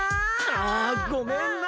ああごめんな。